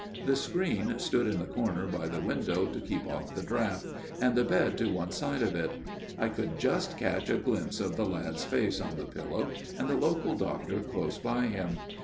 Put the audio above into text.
" The screen stood in the corner by the window to keep off the draught, and the bed to one side of it. I could just catch a glimpse of the lad's face on the pillow and the local doctor close by him.